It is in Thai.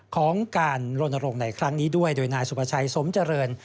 ของการลนรงค์ในครั้งนี้ด้วยโดยนายสุภาชัยสมเจริญ